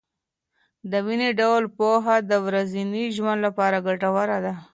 دویني ډول پوهه د ورځني ژوند لپاره ګټوره ده.